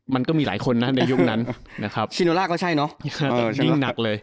มันก็มีหลายคนนะในยุคนั้นนะครับชิโนล่าก็ใช่เนาะยิ่งหนักเลย